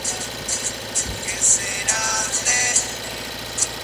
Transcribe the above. Existen algunas variantes de la receta.